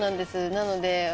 なので。